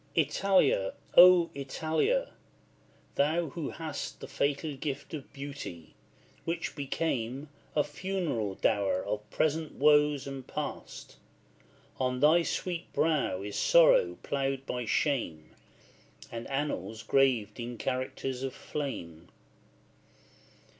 Italia! O Italia! thou who hast The fatal gift of beauty, which became A funeral dower of present woes and past, On thy sweet brow is sorrow ploughed by shame, And annals graved in characters of flame.